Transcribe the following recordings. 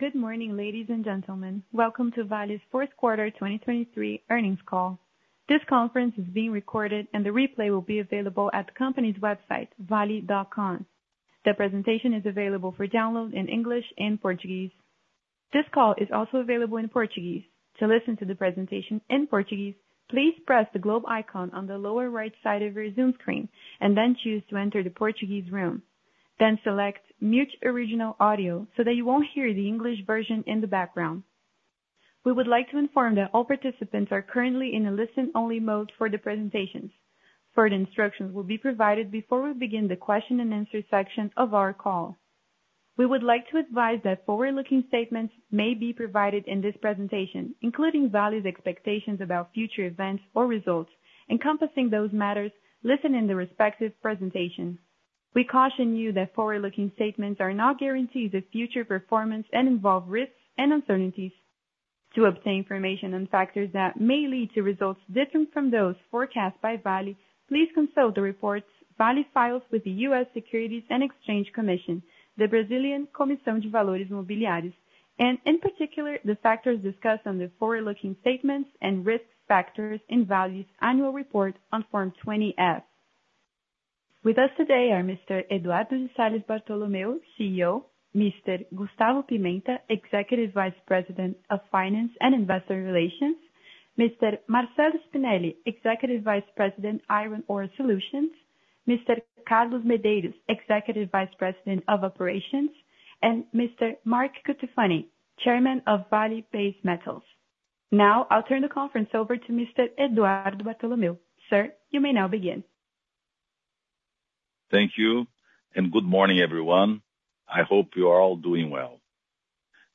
Good morning, ladies and gentlemen. Welcome to Vale's Fourth Quarter 2023 Earnings Call. This conference is being recorded, and the replay will be available at the company's website, vale.com. The presentation is available for download in English and Portuguese. This call is also available in Portuguese. To listen to the presentation in Portuguese, please press the globe icon on the lower right side of your Zoom screen and then choose to enter the Portuguese room. Then select Mute Original Audio so that you won't hear the English version in the background. We would like to inform that all participants are currently in a listen-only mode for the presentations. Further instructions will be provided before we begin the question-and-answer section of our call. We would like to advise that forward-looking statements may be provided in this presentation, including Vale's expectations about future events or results encompassing those matters listed in the respective presentation. We caution you that forward-looking statements are not guarantees of future performance and involve risks and uncertainties. To obtain information on factors that may lead to results different from those forecast by Vale, please consult the reports Vale files with the US Securities and Exchange Commission, the Brazilian Comissão de Valores Mobiliários, and in particular, the factors discussed on the forward-looking statements and risk factors in Vale's annual report on Form 20-F. With us today are Mr. Eduardo de Salles Bartolomeo, CEO, Mr. Gustavo Pimenta, Executive Vice President of Finance and Investor Relations, Mr. Marcello Spinelli, Executive Vice President, Iron Ore Solutions, Mr. Carlos Medeiros, Executive Vice President of Operations, and Mr. Mark Cutifani, Chairman of Vale Base Metals.Now I'll turn the conference over to Mr. Eduardo Bartolomeo. Sir, you may now begin. Thank you, and good morning, everyone. I hope you are all doing well.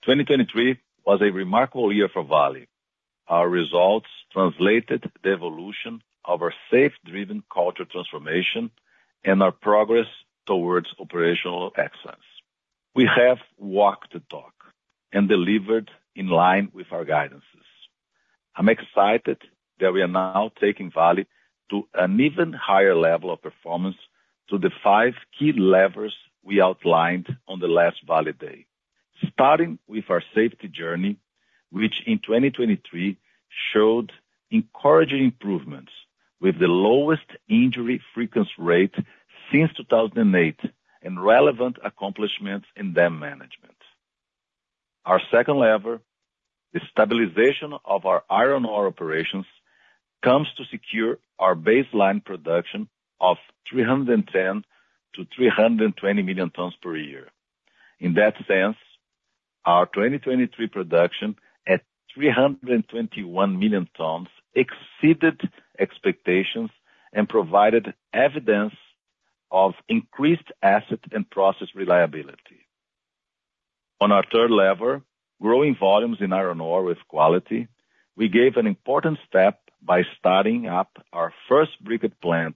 2023 was a remarkable year for Vale. Our results translated the evolution of our safety-driven culture transformation and our progress towards operational excellence. We have walked the talk and delivered in line with our guidances. I'm excited that we are now taking Vale to an even higher level of performance through the five key levers we outlined on the last Vale Day, starting with our safety journey, which in 2023 showed encouraging improvements with the lowest injury frequency rate since 2008 and relevant accomplishments in dam management. Our second lever, the stabilization of our iron ore operations, comes to secure our baseline production of 310 million-320 million tons per year. In that sense, our 2023 production at 321 million tons exceeded expectations and provided evidence of increased asset and process reliability. On our third lever, growing volumes in iron ore with quality, we gave an important step by starting up our first briquette plant.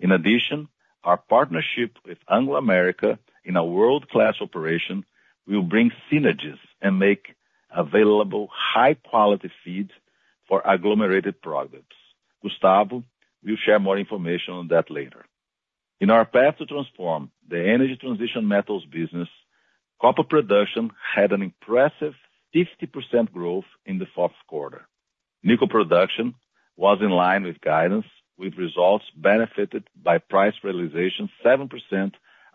In addition, our partnership with Anglo American in a world-class operation will bring synergies and make available high-quality feed for agglomerated products. Gustavo will share more information on that later. In our path to transform the energy transition metals business, copper production had an impressive 50% growth in the fourth quarter. Nickel production was in line with guidance, with results benefited by price realization 7%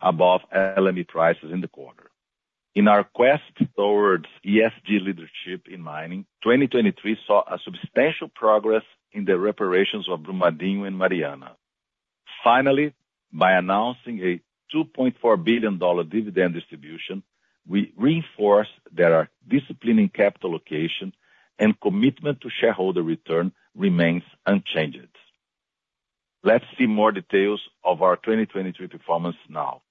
above LME prices in the quarter. In our quest towards ESG leadership in mining, 2023 saw substantial progress in the reparations of Brumadinho and Mariana. Finally, by announcing a $2.4 billion dividend distribution, we reinforce that our disciplined capital allocation and commitment to shareholder return remains unchanged. Let's see more details of our 2023 performance now.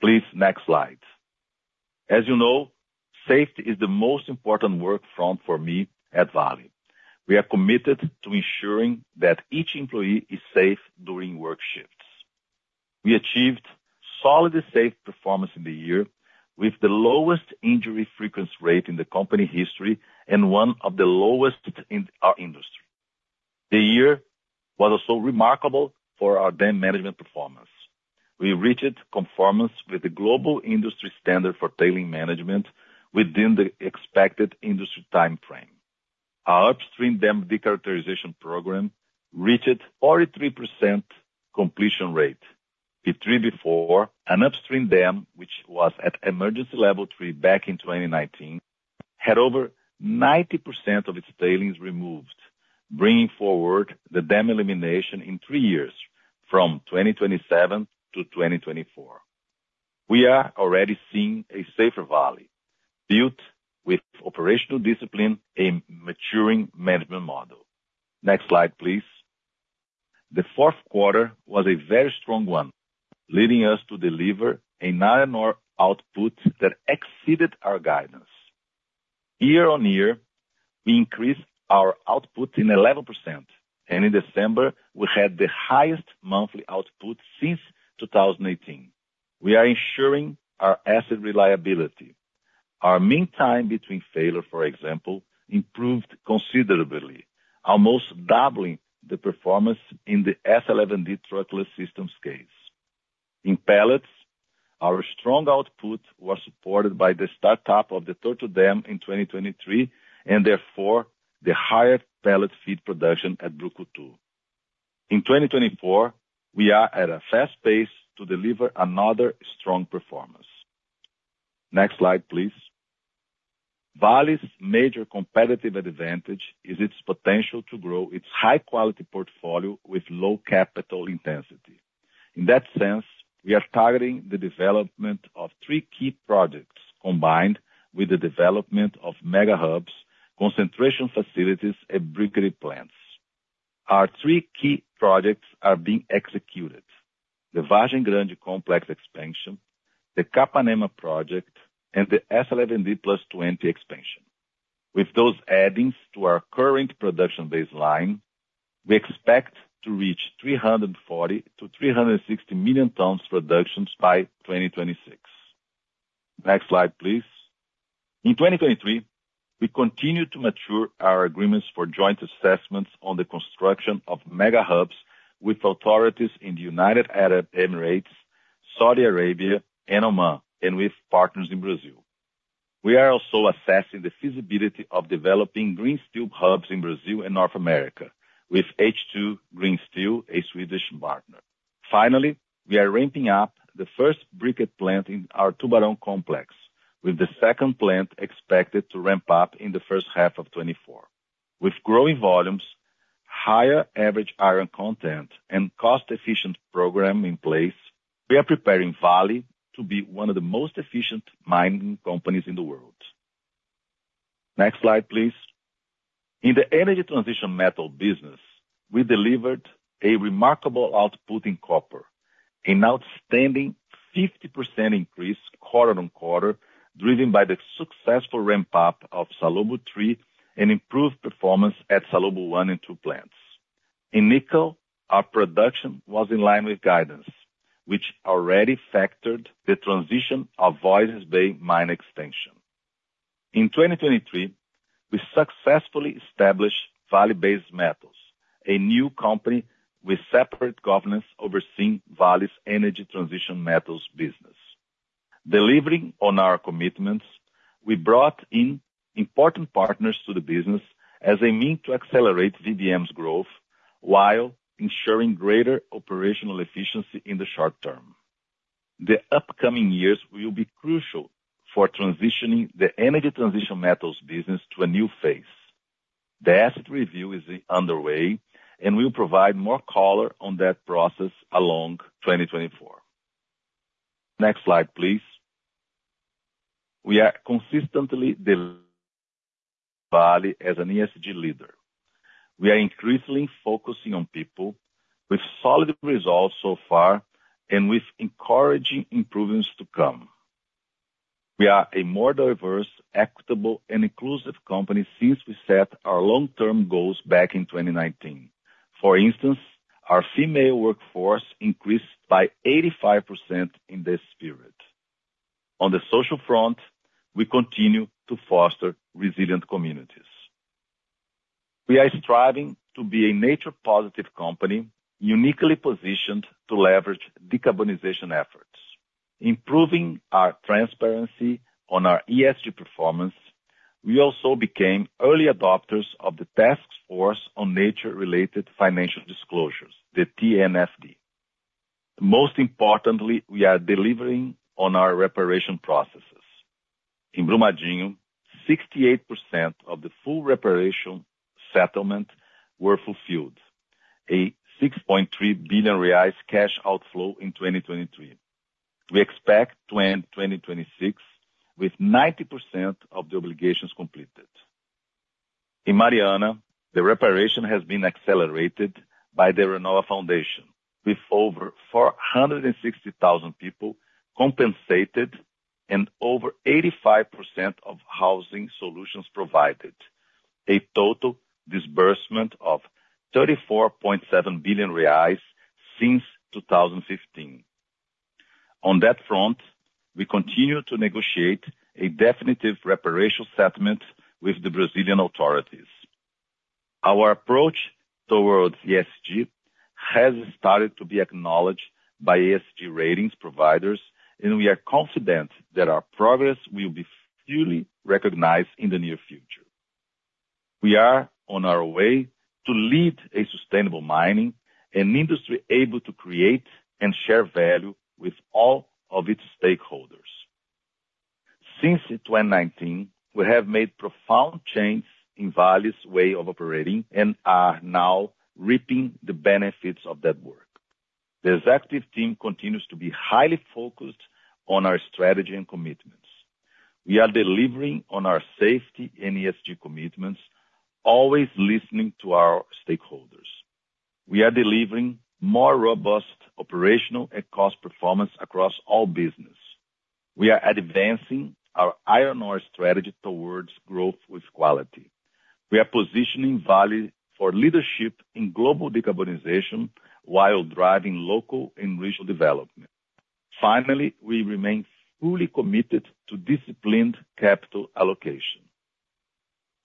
Please, next slide. As you know, safety is the most important work front for me at Vale. We are committed to ensuring that each employee is safe during work shifts. We achieved solid safe performance in the year with the lowest injury frequency rate in the company history and one of the lowest in our industry. The year was also remarkable for our dam management performance. We reached conformance with the global industry standard for tailings management within the expected industry time frame. Our upstream dam decharacterization program reached 43% completion rate. The B3/B4, an upstream dam which was at Emergency Level 3 back in 2019, had over 90% of its tailings removed, bringing forward the dam elimination in three years from 2027-2024. We are already seeing a safer Vale, built with operational discipline, a maturing management model. Next slide, please. The fourth quarter was a very strong one, leading us to deliver an iron ore output that exceeded our guidance. Year-on-year, we increased our output in 11%, and in December, we had the highest monthly output since 2018. We are ensuring our asset reliability. Our mean time between failure, for example, improved considerably, almost doubling the performance in the S11D truckless systems case. In pellets, our strong output was supported by the startup of the Torto Dam in 2023 and, therefore, the higher pellet feed production at Brucutu. In 2024, we are at a fast pace to deliver another strong performance. Next slide, please. Vale's major competitive advantage is its potential to grow its high-quality portfolio with low capital intensity. In that sense, we are targeting the development of three key projects combined with the development of Mega Hubs, concentration facilities, and briquette plants. Our three key projects are being executed: the Vargem Grande Complex expansion, the Capanema project, and the S11D+20 expansion. With those additions to our current production baseline, we expect to reach 340 million-360 million tons production by 2026. Next slide, please. In 2023, we continue to mature our agreements for joint assessments on the construction of Mega Hubs with authorities in the United Arab Emirates, Saudi Arabia, and Oman, and with partners in Brazil. We are also assessing the feasibility of developing green steel hubs in Brazil and North America, with H2 Green Steel, a Swedish partner. Finally, we are ramping up the first briquette plant in our Tubarão complex, with the second plant expected to ramp up in the first half of 2024. With growing volumes, higher average iron content, and cost-efficient program in place, we are preparing Vale to be one of the most efficient mining companies in the world. Next slide, please. In the energy transition metal business, we delivered a remarkable output in copper, an outstanding 50% increase quarter-over-quarter driven by the successful ramp-up of Salobo III and improved performance at Salobo I and II plants. In nickel, our production was in line with guidance, which already factored the transition of Voisey's Bay mine extension. In 2023, we successfully established Vale Base Metals, a new company with separate governance overseeing Vale's energy transition metals business. Delivering on our commitments, we brought in important partners to the business as a means to accelerate VBM's growth while ensuring greater operational efficiency in the short term. The upcoming years will be crucial for transitioning the energy transition metals business to a new phase. The asset review is underway, and we'll provide more color on that process along 2024. Next slide, please. We are consistently delivering Vale as an ESG leader. We are increasingly focusing on people, with solid results so far and with encouraging improvements to come. We are a more diverse, equitable, and inclusive company since we set our long-term goals back in 2019. For instance, our female workforce increased by 85% in this period. On the social front, we continue to foster resilient communities. We are striving to be a nature-positive company uniquely positioned to leverage decarbonization efforts. Improving our transparency on our ESG performance, we also became early adopters of the Taskforce on Nature-related Financial Disclosures, the TNFD. Most importantly, we are delivering on our reparation processes.In Brumadinho, 68% of the full reparation settlement were fulfilled, a 6.3 billion reais cash outflow in 2023. We expect to end 2026 with 90% of the obligations completed. In Mariana, the reparation has been accelerated by the Renova Foundation, with over 460,000 people compensated and over 85% of housing solutions provided, a total disbursement of 34.7 billion reais since 2015. On that front, we continue to negotiate a definitive reparation settlement with the Brazilian authorities. Our approach towards ESG has started to be acknowledged by ESG ratings providers, and we are confident that our progress will be fully recognized in the near future. We are on our way to lead a sustainable mining, an industry able to create and share value with all of its stakeholders. Since 2019, we have made profound changes in Vale's way of operating and are now reaping the benefits of that work. The executive team continues to be highly focused on our strategy and commitments. We are delivering on our safety and ESG commitments, always listening to our stakeholders. We are delivering more robust operational and cost performance across all businesses. We are advancing our iron ore strategy towards growth with quality. We are positioning Vale for leadership in global decarbonization while driving local and regional development. Finally, we remain fully committed to disciplined capital allocation.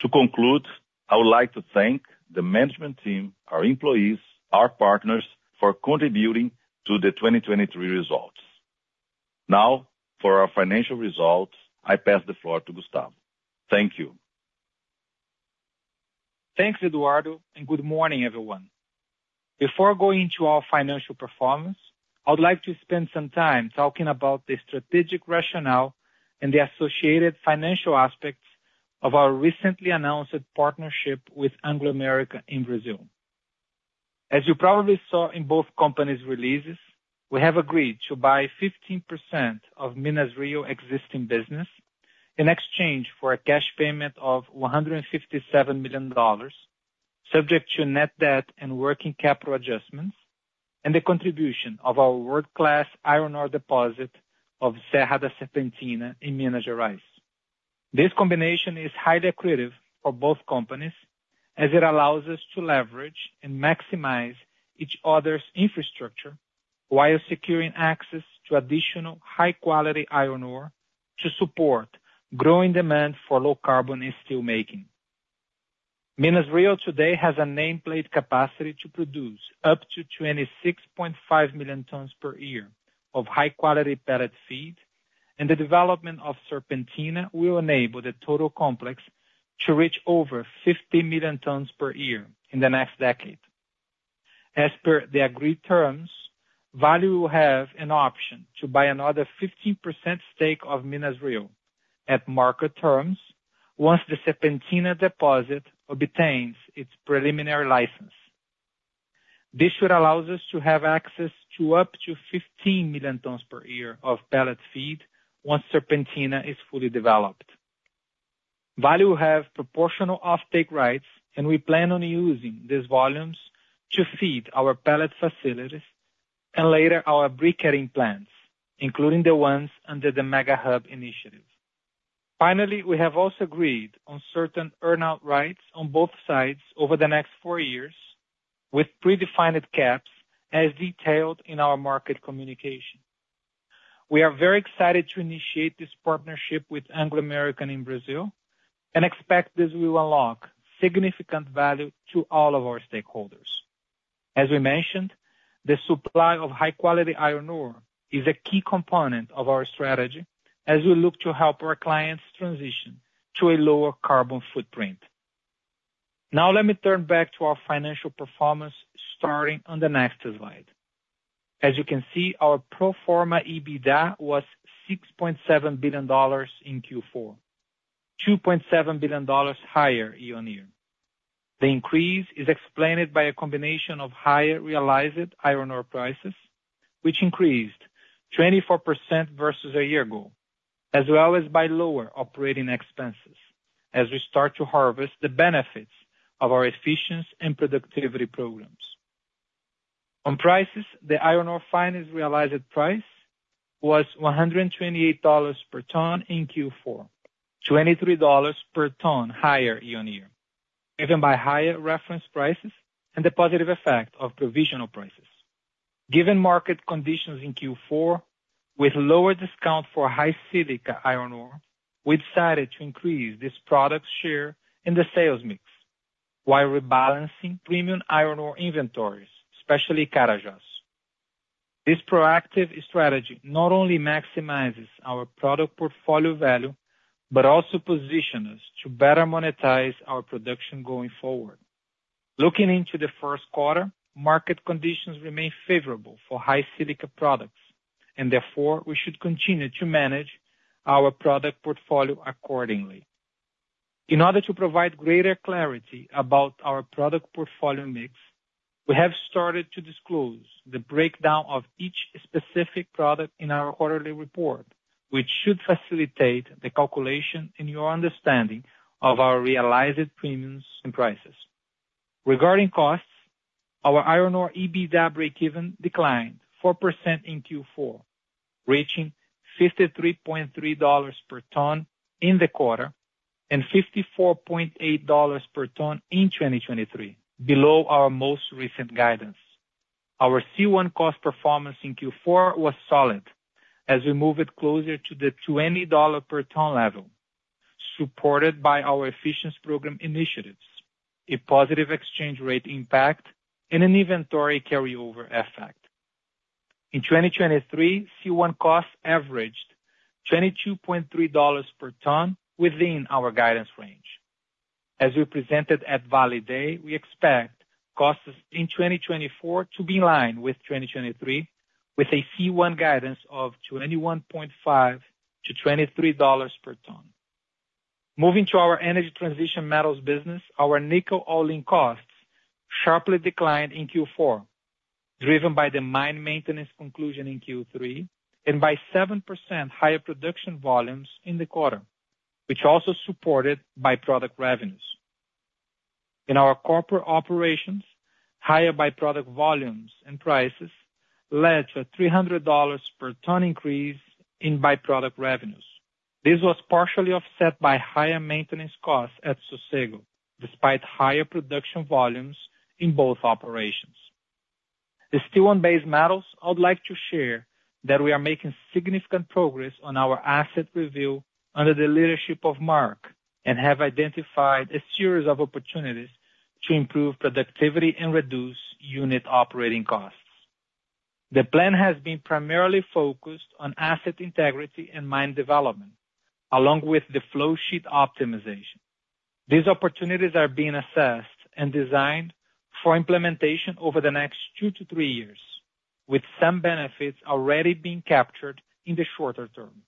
To conclude, I would like to thank the management team, our employees, and our partners for contributing to the 2023 results. Now, for our financial results, I pass the floor to Gustavo. Thank you. Thanks, Eduardo, and good morning, everyone. Before going into our financial performance, I would like to spend some time talking about the strategic rationale and the associated financial aspects of our recently announced partnership with Anglo American in Brazil. As you probably saw in both companies' releases, we have agreed to buy 15% of Minas-Rio's existing business in exchange for a cash payment of $157 million, subject to net debt and working capital adjustments, and the contribution of our world-class iron ore deposit of Serra da Serpentina in Minas Gerais. This combination is highly accretive for both companies as it allows us to leverage and maximize each other's infrastructure while securing access to additional high-quality iron ore to support growing demand for low-carbon steelmaking. Minas-Rio today has a nameplate capacity to produce up to 26.5 million tons per year of high-quality pellet feed, and the development of Serpentina will enable the total complex to reach over 50 million tons per year in the next decade. As per the agreed terms, Vale will have an option to buy another 15% stake of Minas-Rio at market terms once the Serpentina deposit obtains its preliminary license. This should allow us to have access to up to 15 million tons per year of pellet feed once Serpentina is fully developed. Vale will have proportional offtake rights, and we plan on using these volumes to feed our pellet facilities and later our briquetting plants, including the ones under the Mega Hubs initiative. Finally, we have also agreed on certain earnout rights on both sides over the next four years, with predefined caps as detailed in our market communication. We are very excited to initiate this partnership with Anglo American in Brazil and expect this will unlock significant value to all of our stakeholders. As we mentioned, the supply of high-quality iron ore is a key component of our strategy as we look to help our clients transition to a lower carbon footprint. Now, let me turn back to our financial performance starting on the next slide. As you can see, our pro forma EBITDA was $6.7 billion in Q4, $2.7 billion higher year-on-year. The increase is explained by a combination of higher realized iron ore prices, which increased 24% versus a year ago, as well as by lower operating expenses as we start to harvest the benefits of our efficiency and productivity programs. On prices, the iron ore fines realized price was $128 per ton in Q4, $23 per ton higher year-on-year, given by higher reference prices and the positive effect of provisional prices. Given market conditions in Q4 with lower discount for high-silica iron ore, we decided to increase this product's share in the sales mix while rebalancing premium iron ore inventories, especially Carajás. This proactive strategy not only maximizes our product portfolio value but also positions us to better monetize our production going forward. Looking into the first quarter, market conditions remain favorable for high-silica products, and therefore, we should continue to manage our product portfolio accordingly. In order to provide greater clarity about our product portfolio mix, we have started to disclose the breakdown of each specific product in our quarterly report, which should facilitate the calculation and your understanding of our realized premiums and prices. Regarding costs, our iron ore EBITDA break-even declined 4% in Q4, reaching $53.3 per ton in the quarter and $54.8 per ton in 2023, below our most recent guidance. Our C1 cost performance in Q4 was solid as we moved it closer to the $20 per ton level, supported by our efficiency program initiatives, a positive exchange rate impact, and an inventory carryover effect. In 2023, C1 costs averaged $22.3 per ton within our guidance range. As we presented at Vale Day, we expect costs in 2024 to be in line with 2023, with a C1 guidance of $21.5-$23 per ton. Moving to our energy transition metals business, our nickel all-in costs sharply declined in Q4, driven by the mine maintenance conclusion in Q3 and by 7% higher production volumes in the quarter, which also supported byproduct revenues. In our copper operations, higher byproduct volumes and prices led to a $300 per ton increase in byproduct revenues. This was partially offset by higher maintenance costs at Sossego, despite higher production volumes in both operations. The C1-based metals, I would like to share that we are making significant progress on our asset review under the leadership of Mark and have identified a series of opportunities to improve productivity and reduce unit operating costs. The plan has been primarily focused on asset integrity and mine development, along with the flow sheet optimization. These opportunities are being assessed and designed for implementation over the next 2-3 years, with some benefits already being captured in the shorter term.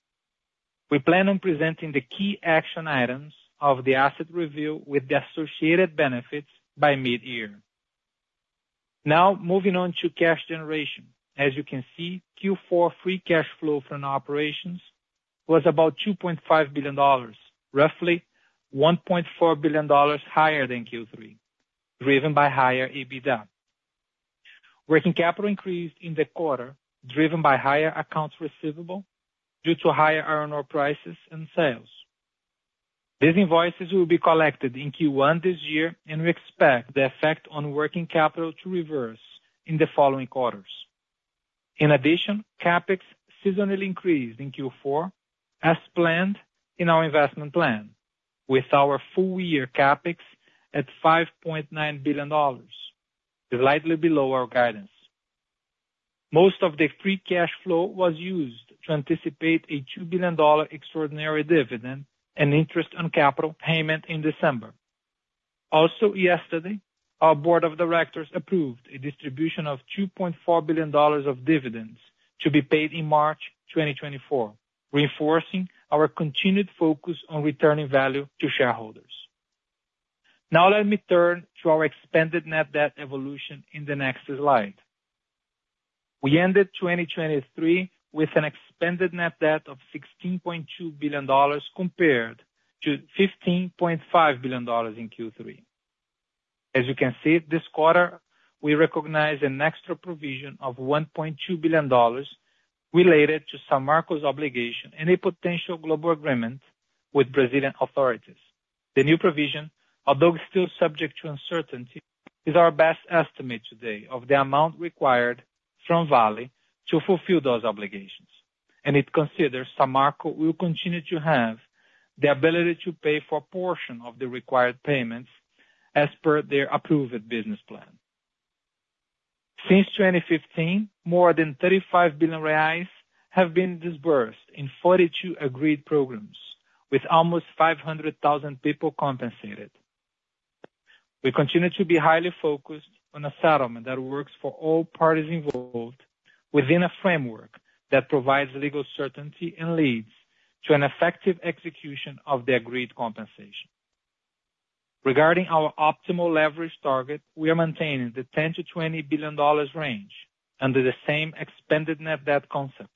We plan on presenting the key action items of the asset review with the associated benefits by mid-year. Now, moving on to cash generation. As you can see, Q4 free cash flow from operations was about $2.5 billion, roughly $1.4 billion higher than Q3, driven by higher EBITDA. Working capital increased in the quarter, driven by higher accounts receivable due to higher iron ore prices and sales. These invoices will be collected in Q1 this year, and we expect the effect on working capital to reverse in the following quarters. In addition, CapEx seasonally increased in Q4 as planned in our investment plan, with our full-year CapEx at $5.9 billion, slightly below our guidance. Most of the free cash flow was used to anticipate a $2 billion extraordinary dividend and interest on capital payment in December. Also, yesterday, our board of directors approved a distribution of $2.4 billion of dividends to be paid in March 2024, reinforcing our continued focus on returning value to shareholders. Now, let me turn to our Expanded Net Debt evolution in the next slide. We ended 2023 with an Expanded Net Debt of $16.2 billion compared to $15.5 billion in Q3. As you can see, this quarter, we recognized an extra provision of $1.2 billion related to Samarco's obligation and a potential global agreement with Brazilian authorities. The new provision, although still subject to uncertainty, is our best estimate today of the amount required from Vale to fulfill those obligations, and it considers Samarco will continue to have the ability to pay for a portion of the required payments as per their approved business plan. Since 2015, more than 35 billion reais have been disbursed in 42 agreed programs, with almost 500,000 people compensated. We continue to be highly focused on a settlement that works for all parties involved within a framework that provides legal certainty and leads to an effective execution of the agreed compensation. Regarding our optimal leverage target, we are maintaining the $10 billion-$20 billion range under the same Expanded Net Debt concept.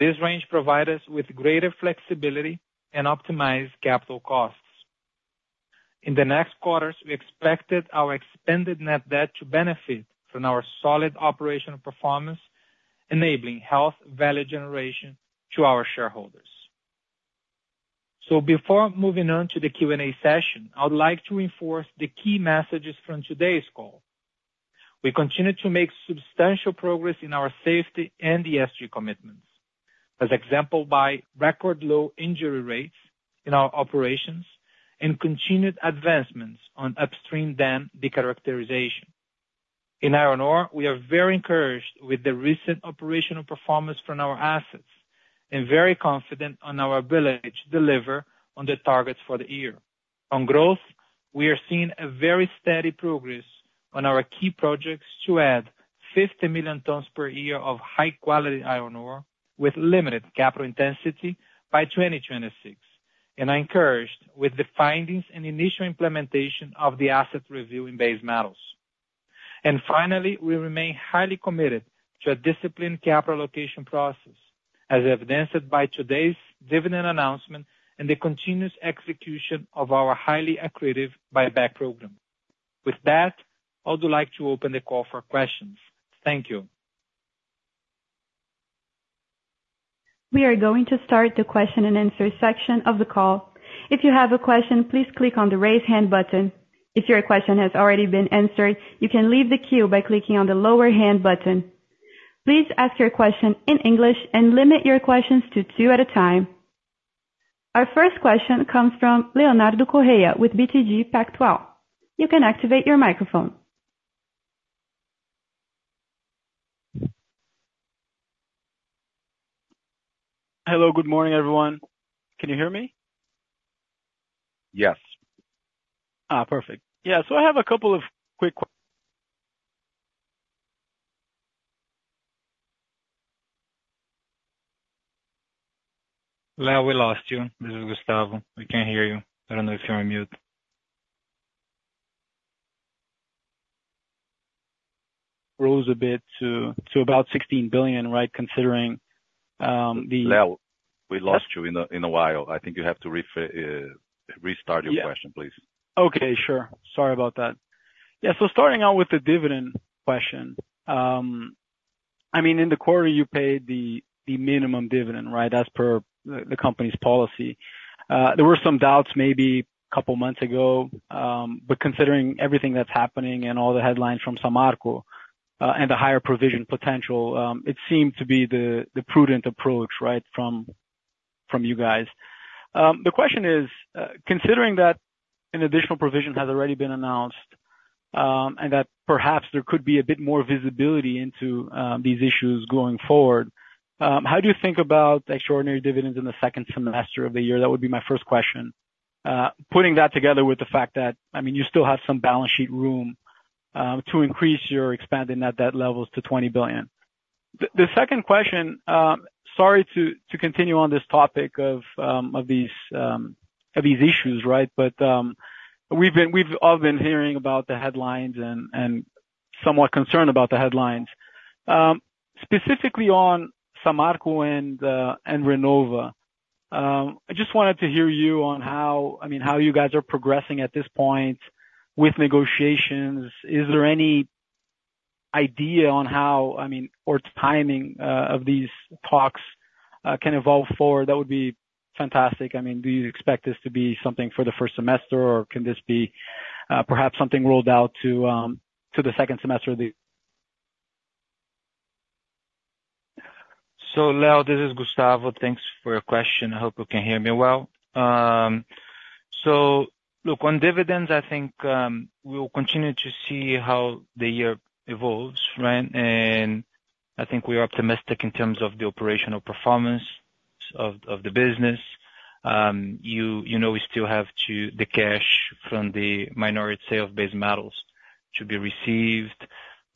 This range provides us with greater flexibility and optimized capital costs. In the next quarters, we expected our Expanded Net Debt to benefit from our solid operational performance, enabling healthy value generation to our shareholders. So, before moving on to the Q&A session, I would like to reinforce the key messages from today's call. We continue to make substantial progress in our safety and ESG commitments, as exemplified by record low injury rates in our operations and continued advancements on upstream dam decharacterization. In iron ore, we are very encouraged with the recent operational performance from our assets and very confident in our ability to deliver on the targets for the year. On growth, we are seeing very steady progress on our key projects to add 50 million tons per year of high-quality iron ore with limited capital intensity by 2026, and are encouraged with the findings and initial implementation of the asset review in base metals. And finally, we remain highly committed to a disciplined capital allocation process, as evidenced by today's dividend announcement and the continuous execution of our highly accretive buyback program. With that, I would like to open the call for questions. Thank you. We are going to start the question and answer section of the call. If you have a question, please click on the raise hand button. If your question has already been answered, you can leave the queue by clicking on the lower hand button. Please ask your question in English and limit your questions to two at a time. Our first question comes from Leonardo Correa with BTG Pactual. You can activate your microphone. Hello. Good morning, everyone. Can you hear me? Yes. Perfect. Yeah, so I have a couple of quick questions. Leo, we lost you. This is Gustavo. We can't hear you. I don't know if you're on mute. Rose a bit to about $16 billion, right, considering the. Leo, we lost you for a while. I think you have to restart your question, please. Yeah. Okay, sure. Sorry about that. Yeah, so starting out with the dividend question. I mean, in the quarter, you paid the minimum dividend, right, as per the company's policy. There were some doubts maybe a couple of months ago, but considering everything that's happening and all the headlines from Samarco and the higher provision potential, it seemed to be the prudent approach, right, from you guys. The question is, considering that an additional provision has already been announced and that perhaps there could be a bit more visibility into these issues going forward, how do you think about extraordinary dividends in the second semester of the year? That would be my first question. Putting that together with the fact that, I mean, you still have some balance sheet room to increase your Expanded Net Debt levels to $20 billion. The second question, sorry to continue on this topic of these issues, right, but we've all been hearing about the headlines and somewhat concerned about the headlines. Specifically on Samarco and Renova, I just wanted to hear you on how, I mean, how you guys are progressing at this point with negotiations. Is there any idea on how, I mean, or timing of these talks can evolve forward? That would be fantastic. I mean, do you expect this to be something for the first semester, or can this be perhaps something rolled out to the second semester of the year? So Leo, this is Gustavo. Thanks for your question. I hope you can hear me well. So look, on dividends, I think we will continue to see how the year evolves, right? And I think we are optimistic in terms of the operational performance of the business. You know we still have the cash from the minority sale of base metals to be received.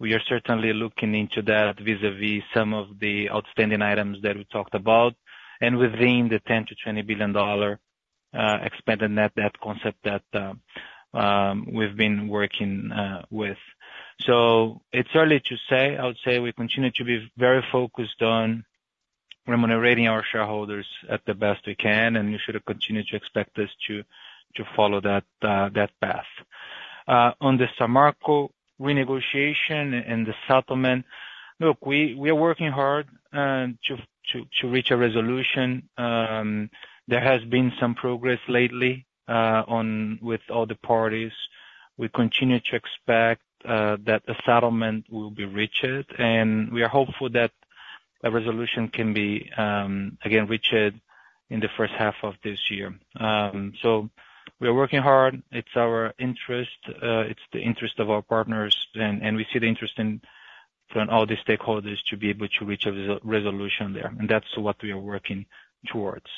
We are certainly looking into that vis-à-vis some of the outstanding items that we talked about and within the $10 billion-$20 billion Expanded Net Debt concept that we've been working with. So it's early to say. I would say we continue to be very focused on remunerating our shareholders at the best we can, and you should continue to expect us to follow that path. On the Samarco renegotiation and the settlement, look, we are working hard to reach a resolution. There has been some progress lately with all the parties. We continue to expect that the settlement will be reached, and we are hopeful that a resolution can be, again, reached in the first half of this year. So we are working hard. It's our interest. It's the interest of our partners, and we see the interest from all the stakeholders to be able to reach a resolution there. And that's what we are working towards.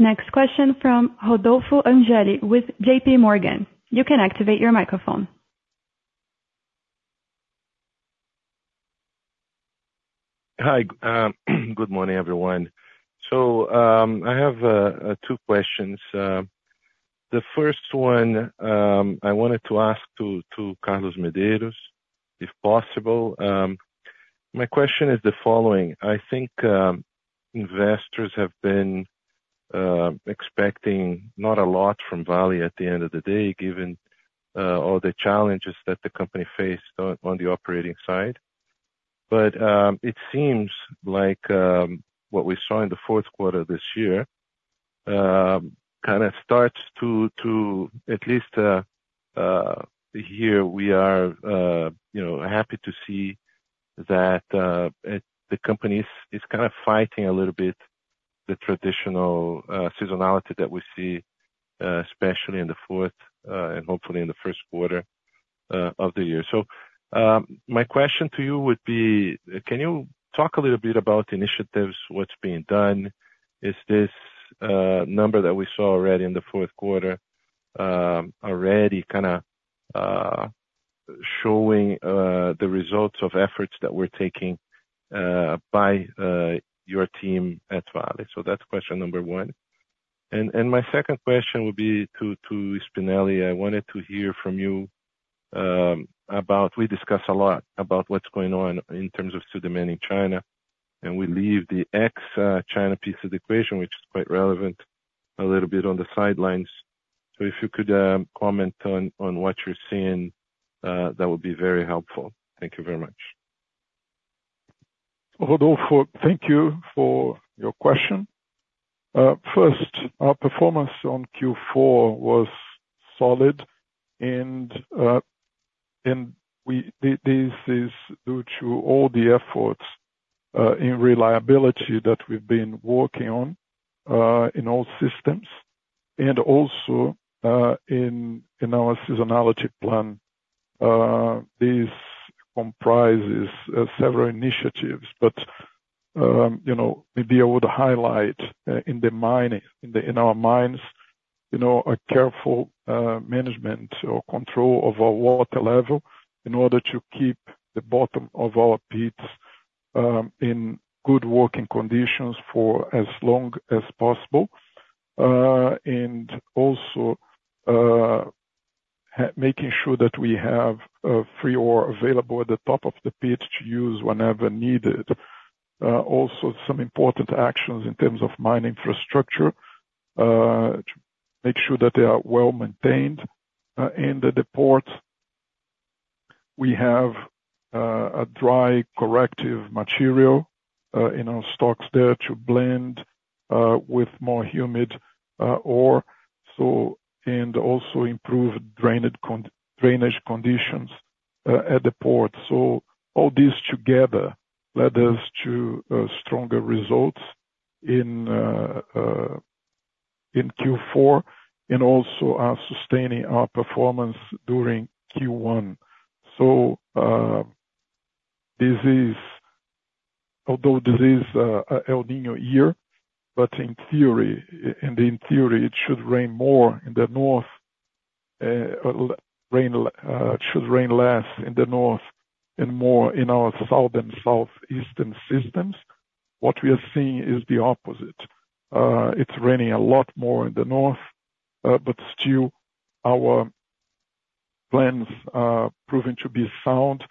Next question from Rodolfo Angele with JPMorgan. You can activate your microphone. Hi. Good morning, everyone. So, I have two questions. The first one, I wanted to ask to Carlos Medeiros, if possible. My question is the following. I think investors have been expecting not a lot from Vale at the end of the day, given all the challenges that the company faced on the operating side. But it seems like what we saw in the fourth quarter this year kind of starts to, at least here, we are happy to see that, the company is kind of fighting a little bit the traditional seasonality that we see, especially in the fourth and hopefully in the first quarter of the year. So, my question to you would be, can you talk a little bit about initiatives, what's being done? Is this number that we saw already in the fourth quarter already kind of showing the results of efforts that we're taking by your team at Vale? So that's question number one. And my second question would be to Spinelli. I wanted to hear from you about we discuss a lot about what's going on in terms of supply and China, and we leave the ex-China piece of the equation, which is quite relevant, a little bit on the sidelines. So if you could comment on what you're seeing, that would be very helpful. Thank you very much. Rodolfo, thank you for your question. First, our performance on Q4 was solid, and this is due to all the efforts in reliability that we've been working on in all systems and also in our seasonality plan. This comprises several initiatives, but maybe I would highlight in our minds a careful management or control of our water level in order to keep the bottom of our pits in good working conditions for as long as possible and also making sure that we have free ore available at the top of the pits to use whenever needed. Also, some important actions in terms of mine infrastructure to make sure that they are well maintained. At the port, we have a dry corrective material in our stocks there to blend with more humid ore and also improve drainage conditions at the port. So all this together led us to stronger results in Q4 and also sustaining our performance during Q1. So although this is an El Niño year, but in theory, it should rain more in the north. It should rain less in the north and more in our south and southeastern systems. What we are seeing is the opposite. It's raining a lot more in the north, but still, our plans are proving to be sound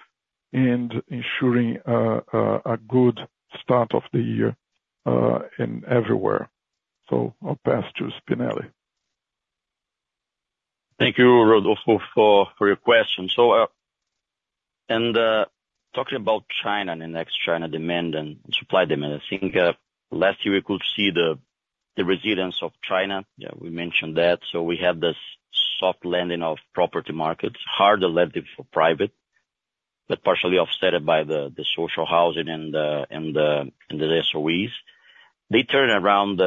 and ensuring a good start of the year everywhere. So I'll pass to Spinelli. Thank you, Rodolfo, for your question. Talking about China and the next China demand and supply demand, I think last year, we could see the resilience of China. Yeah, we mentioned that. So we had this soft landing of property markets, harder landing for private, but partially offset by the social housing and the SOEs. They turn around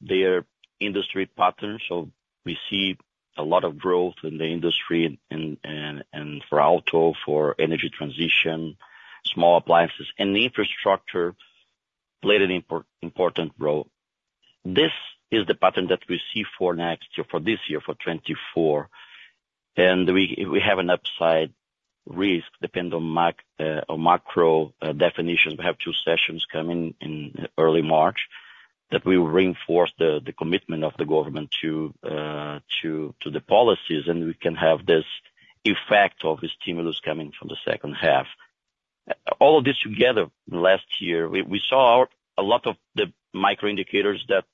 their industry pattern. So we see a lot of growth in the industry and for auto, for energy transition, small appliances, and the infrastructure played an important role. This is the pattern that we see for next year, for this year, for 2024. And we have an upside risk depending on macro definitions. We have two sessions coming in early March that will reinforce the commitment of the government to the policies, and we can have this effect of stimulus coming from the second half. All of this together last year, we saw a lot of the microindicators that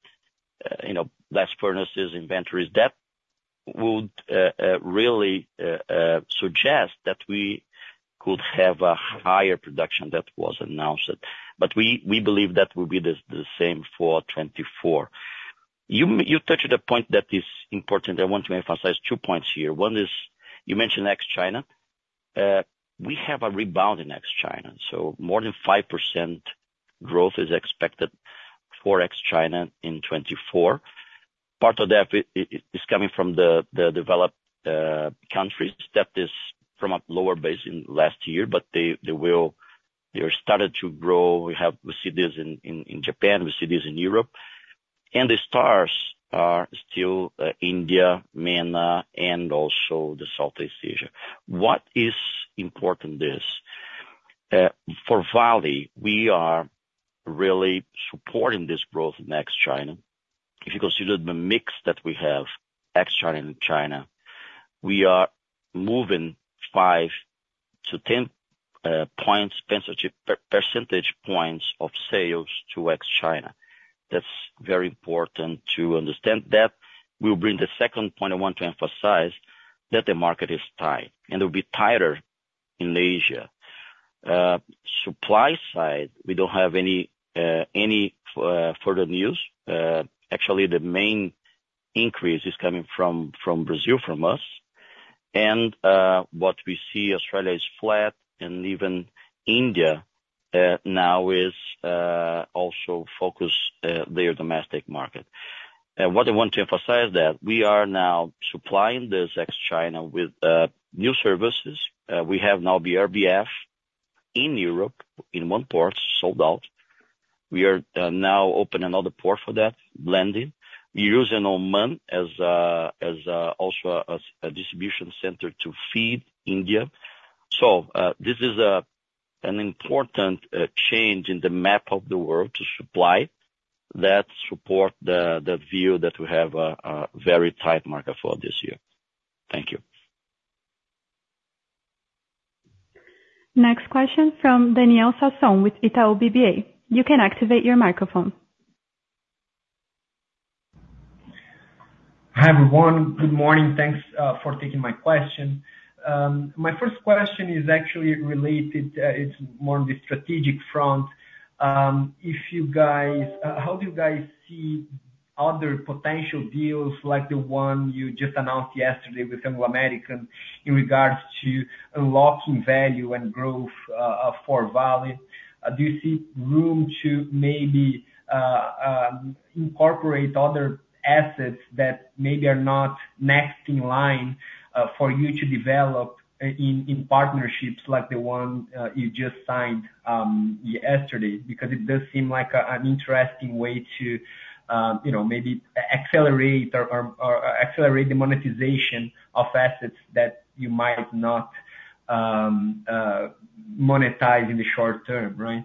blast furnaces, inventories. That would really suggest that we could have a higher production that was announced. But we believe that will be the same for 2024. You touched the point that is important. I want to emphasize two points here. One is you mentioned ex-China. We have a rebound in ex-China. So more than 5% growth is expected for ex-China in 2024. Part of that is coming from the developed countries. That is from a lower base in last year, but they started to grow. We see this in Japan. We see this in Europe. And the stars are still India, MENA, and also the Southeast Asia. Why is this important? For Vale, we are really supporting this growth in ex-China. If you consider the mix that we have, ex-China and China, we are moving 5%-10% of sales to ex-China. That's very important to understand. That will bring the second point I want to emphasize, that the market is tight, and it will be tighter in Asia. Supply side, we don't have any further news. Actually, the main increase is coming from Brazil, from us. And what we see, Australia is flat, and even India now is also focused their domestic market. What I want to emphasize is that we are now supplying this ex-China with new services. We have now BRBF in Europe in one port sold out. We are now opening another port for that blending. We use Oman as also a distribution center to feed India.This is an important change in the map of the world to supply that supports the view that we have a very tight market for this year. Thank you. Next question from Daniel Sasson with Itaú BBA. You can activate your microphone. Hi, everyone. Good morning. Thanks for taking my question. My first question is actually related. It's more on the strategic front. How do you guys see other potential deals like the one you just announced yesterday with Anglo American in regards to unlocking value and growth for Vale? Do you see room to maybe incorporate other assets that maybe are not next in line for you to develop in partnerships like the one you just signed yesterday? Because it does seem like an interesting way to maybe accelerate the monetization of assets that you might not monetize in the short term, right?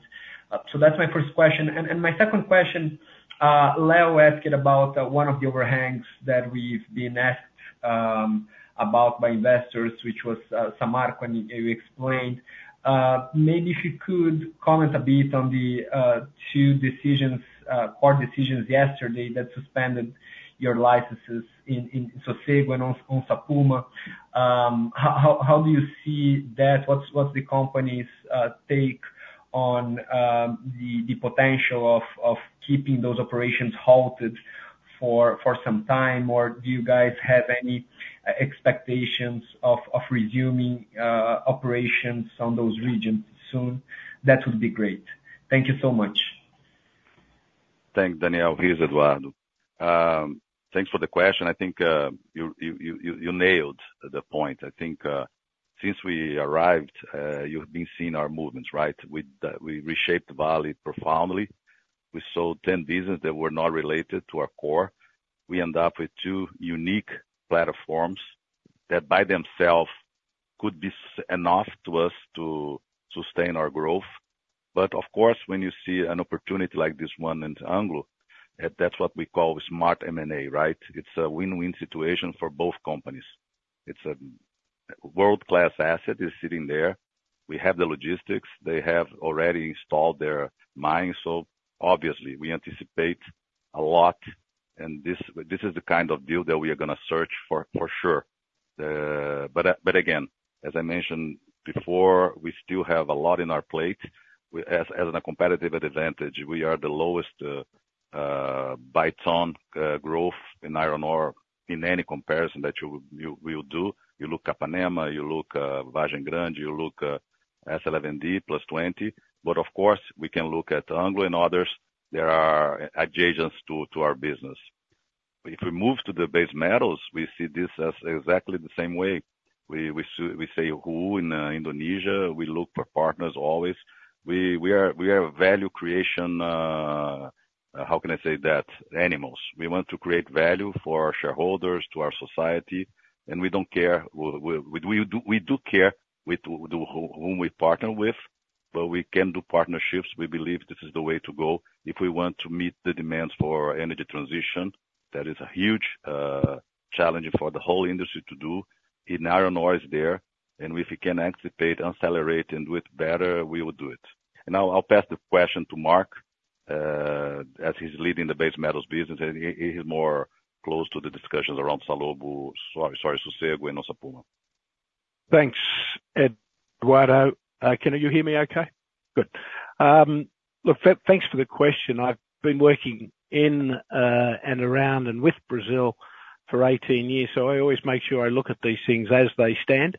So that's my first question. And my second question, Leo asked about one of the overhangs that we've been asked about by investors, which was Samarco. And you explained. Maybe if you could comment a bit on the two core decisions yesterday that suspended your licenses in Sossego and Onça Puma. How do you see that? What's the company's take on the potential of keeping those operations halted for some time? Or do you guys have any expectations of resuming operations on those regions soon? That would be great. Thank you so much. Thanks, Danielle. Here's Eduardo. Thanks for the question. I think you nailed the point. I think since we arrived, you've been seeing our movements, right? We reshaped Vale profoundly. We sold 10 businesses that were not related to our core. We end up with two unique platforms that by themselves could be enough to us to sustain our growth. But of course, when you see an opportunity like this one in Anglo, that's what we call smart M&A, right? It's a win-win situation for both companies. It's a world-class asset is sitting there. We have the logistics. They have already installed their mines. So obviously, we anticipate a lot. And this is the kind of deal that we are going to search for sure. But again, as I mentioned before, we still have a lot in our plate. As a competitive advantage, we are the lowest by-ton growth in iron ore in any comparison that you will do. You look Capanema, you look Vargem Grande, you look S11D +20. But of course, we can look at Anglo and others. There are adjacencies to our business. If we move to the base metals, we see this as exactly the same way. We say who in Indonesia. We look for partners always. We are value creation how can I say that? In all. We want to create value for our shareholders, to our society. And we don't care we do care with whom we partner with, but we can do partnerships. We believe this is the way to go. If we want to meet the demands for energy transition, that is a huge challenge for the whole industry to do. And iron ore is there. If we can anticipate, accelerate, and do it better, we will do it. Now I'll pass the question to Mark as he's leading the base metals business. He's more close to the discussions around Salobo, sorry, Sossego and Onça Puma. Thanks, Eduardo. Can you hear me okay? Good. Look, thanks for the question. I've been working in and around and with Brazil for 18 years. So I always make sure I look at these things as they stand.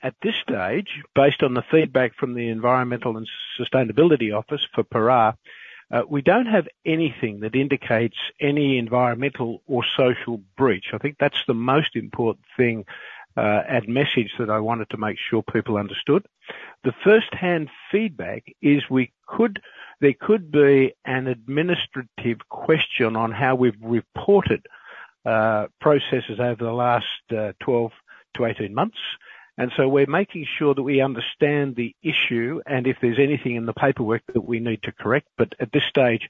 At this stage, based on the feedback from the Environmental and Sustainability Office for Pará, we don't have anything that indicates any environmental or social breach. I think that's the most important thing and message that I wanted to make sure people understood. The firsthand feedback is there could be an administrative question on how we've reported processes over the last 12-18 months. And so we're making sure that we understand the issue and if there's anything in the paperwork that we need to correct. But at this stage,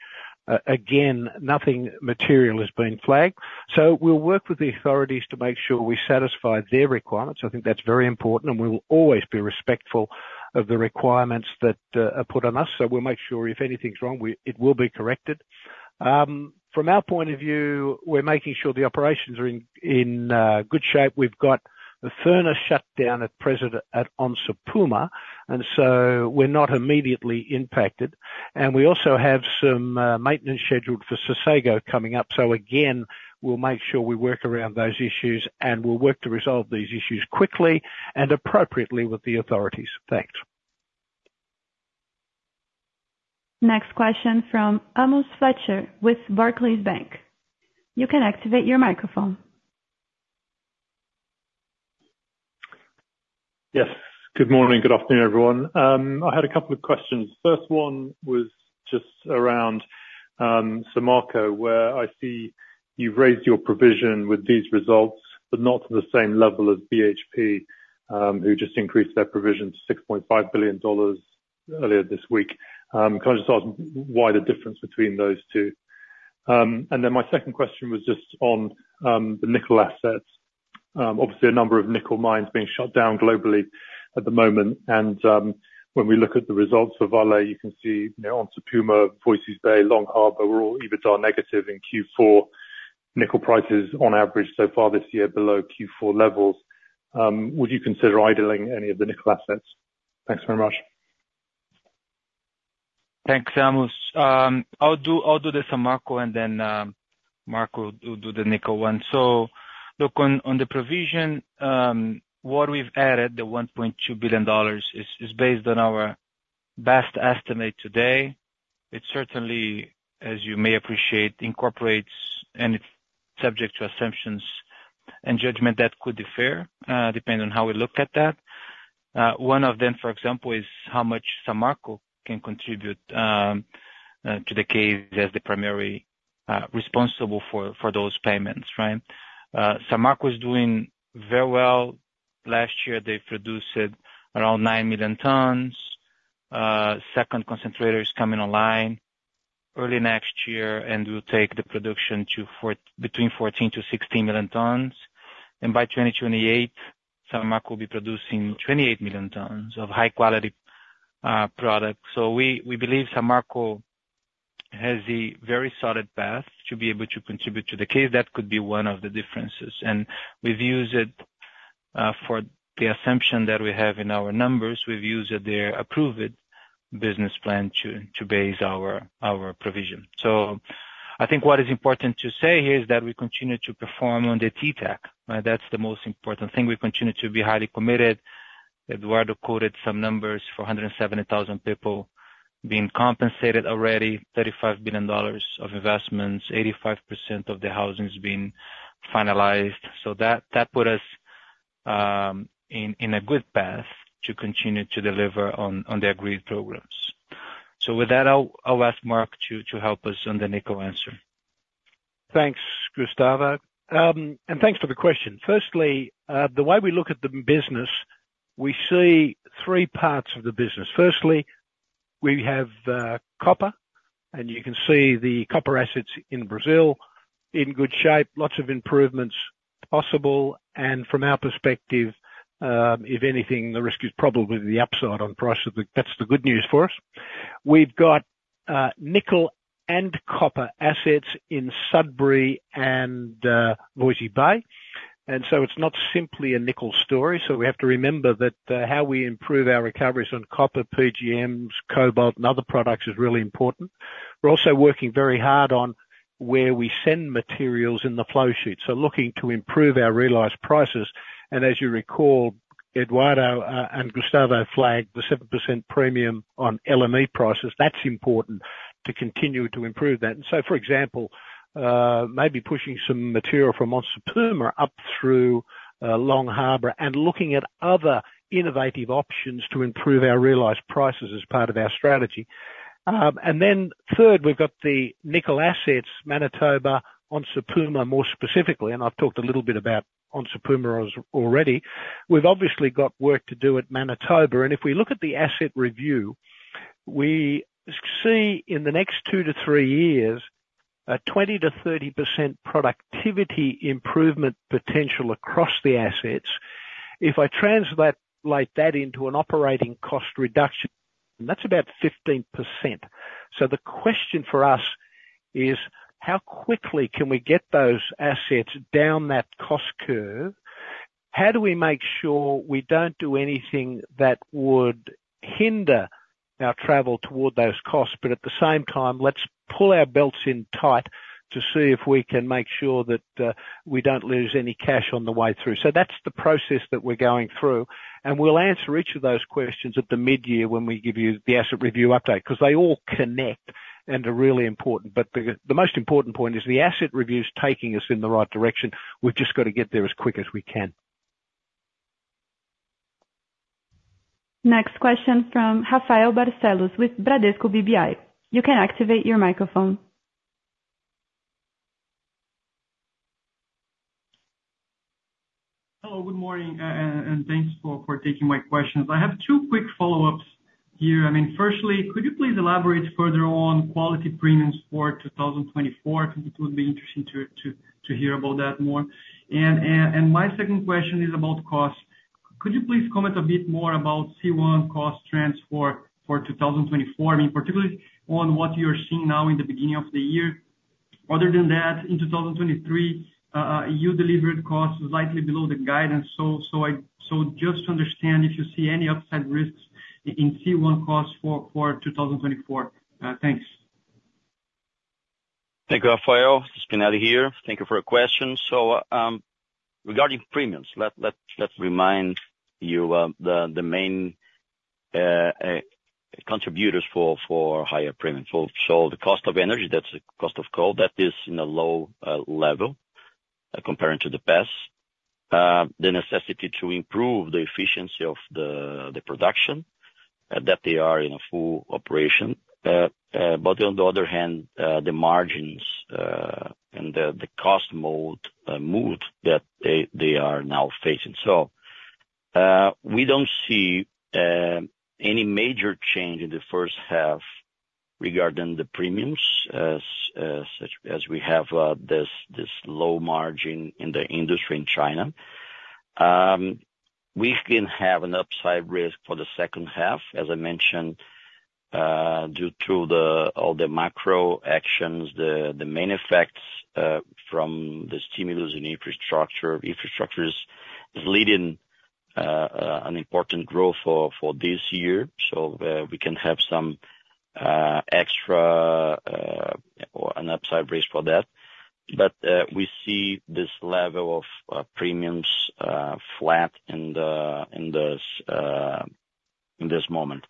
again, nothing material has been flagged. So we'll work with the authorities to make sure we satisfy their requirements.I think that's very important. And we will always be respectful of the requirements that are put on us. So we'll make sure if anything's wrong, it will be corrected. From our point of view, we're making sure the operations are in good shape. We've got the furnace shut down at Onça Puma. And so we're not immediately impacted. And we also have some maintenance scheduled for Sossego coming up. So again, we'll make sure we work around those issues, and we'll work to resolve these issues quickly and appropriately with the authorities. Thanks. Next question from Amos Fletcher with Barclays Bank. You can activate your microphone. Yes. Good morning. Good afternoon, everyone. I had a couple of questions. The first one was just around Samarco, where I see you've raised your provision with these results, but not to the same level as BHP, who just increased their provision to $6.5 billion earlier this week. Can I just ask why the difference between those two? And then my second question was just on the nickel assets. Obviously, a number of nickel mines being shut down globally at the moment. And when we look at the results for Vale, you can see Onça Puma, Voisey's Bay, Long Harbour were all EBITDA negative in Q4. Nickel prices on average so far this year below Q4 levels. Would you consider idling any of the nickel assets? Thanks very much. Thanks, Amos. I'll do the Samarco, and then Mark will do the nickel one. So look, on the provision, what we've added, the $1.2 billion, is based on our best estimate today. It certainly, as you may appreciate, incorporates and it's subject to assumptions and judgment that could differ depending on how we look at that. One of them, for example, is how much Samarco can contribute to the case as the primary responsible for those payments, right? Samarco is doing very well. Last year, they produced around 9 million tons. Second concentrator is coming online early next year and will take the production to between 14 million tons-16 million tons. And by 2028, Samarco will be producing 28 million tons of high-quality products. So we believe Samarco has a very solid path to be able to contribute to the case. That could be one of the differences. And we've used it for the assumption that we have in our numbers. We've used their approved business plan to base our provision. So I think what is important to say here is that we continue to perform on the TTAC, right? That's the most important thing. We continue to be highly committed. Eduardo quoted some numbers for 170,000 people being compensated already, $35 billion of investments, 85% of the housing is being finalized. So that put us in a good path to continue to deliver on the agreed programs. So with that, I'll ask Mark to help us on the nickel answer. Thanks, Gustavo. Thanks for the question. Firstly, the way we look at the business, we see three parts of the business. Firstly, we have copper. You can see the copper assets in Brazil in good shape, lots of improvements possible. From our perspective, if anything, the risk is probably the upside on price. That's the good news for us. We've got nickel and copper assets in Sudbury and Voisey's Bay. It's not simply a nickel story. We have to remember that how we improve our recoveries on copper, PGMs, cobalt, and other products is really important. We're also working very hard on where we send materials in the flow sheet. Looking to improve our realized prices. As you recall, Eduardo and Gustavo flagged the 7% premium on LME prices. That's important to continue to improve that. And so, for example, maybe pushing some material from Onça Puma up through Long Harbour and looking at other innovative options to improve our realized prices as part of our strategy. And then third, we've got the nickel assets, Manitoba, Onça Puma more specifically. And I've talked a little bit about Onça Puma already. We've obviously got work to do at Manitoba. And if we look at the asset review, we see in the next two to three years, a 20%-30% productivity improvement potential across the assets. If I translate that into an operating cost reduction, that's about 15%. So the question for us is, how quickly can we get those assets down that cost curve? How do we make sure we don't do anything that would hinder our travel toward those costs? At the same time, let's pull our belts in tight to see if we can make sure that we don't lose any cash on the way through. That's the process that we're going through. We'll answer each of those questions at the mid-year when we give you the asset review update because they all connect and are really important. The most important point is the asset review is taking us in the right direction. We've just got to get there as quick as we can. Next question from Rafael Barcellos with Bradesco BBI. You can activate your microphone. Hello. Good morning. And thanks for taking my questions. I have two quick follow-ups here. I mean, firstly, could you please elaborate further on quality premiums for 2024? It would be interesting to hear about that more. And my second question is about costs. Could you please comment a bit more about C1 cost trends for 2024? I mean, particularly on what you're seeing now in the beginning of the year. Other than that, in 2023, you delivered costs slightly below the guidance. So just to understand if you see any upside risks in C1 costs for 2024? Thanks. Thank you, Rafael. It's been Ale here. Thank you for your questions. Regarding premiums, let's remind you the main contributors for higher premiums. The cost of energy, that's the cost of coal. That is in a low level comparing to the past. The necessity to improve the efficiency of the production, that they are in a full operation. But on the other hand, the margins and the cost mood that they are now facing. We don't see any major change in the first half regarding the premiums as we have this low margin in the industry in China. We can have an upside risk for the second half, as I mentioned, due to all the macro actions, the main effects from the stimulus and infrastructure. Infrastructure is leading an important growth for this year. We can have some extra or an upside risk for that. But we see this level of premiums flat in this moment.